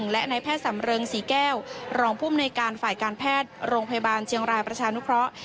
และในแพทย์สำเริงศรีแก้วรองภูมิในการฝ่ายการแพทย์โรงพยาบาลเชียงรายประชานุเคราะห์